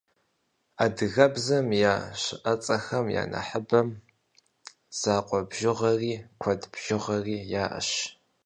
Адыгэбзэм и щыӏэцӏэхэм я нэхъыбэм закъуэ бжыгъэри, куэд бжыгъэри яӏэщ.